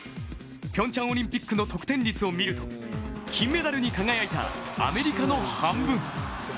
ピョンチャンオリンピックの得点率をみると、金メダルに輝いたアメリカの半分。